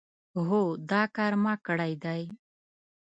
هو دا کار ما کړی دی.